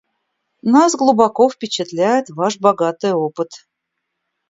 Нас глубоко впечатляет ваш богатый опыт.